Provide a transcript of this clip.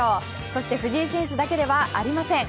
そして藤井選手だけではありません。